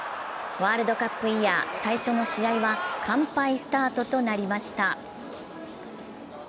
ワールドカップイヤー最初の試合は完敗スタートとなりました。